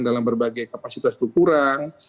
dalam berbagai kapasitas itu kurang